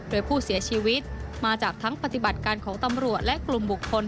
โดยผู้เสียชีวิตมาจากทั้งปฏิบัติการของตำรวจและกลุ่มบุคคล